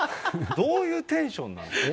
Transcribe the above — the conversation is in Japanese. どういうテンションなんです？